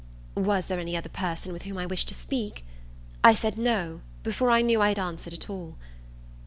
Was there any other person with whom I wished to speak? I said no, before I knew I had answered at all.